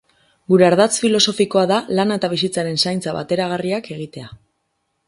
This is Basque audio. Gure ardatz filosofikoa da lana eta bizitzaren zaintza bateragarriak egitea.